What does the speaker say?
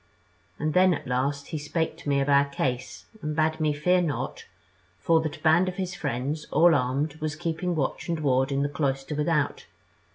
And then, at last, he spake to me of our case, and bade me fear not, for that a band of his friends, all armed, was keeping watch and ward in the cloister without.